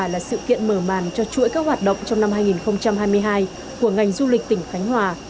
là sự kiện mở màn cho chuỗi các hoạt động trong năm hai nghìn hai mươi hai của ngành du lịch tỉnh khánh hòa